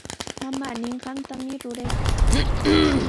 Mamaa ninqantami ruraykaa.